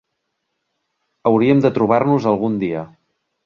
Hauríem de trobar-nos algun dia.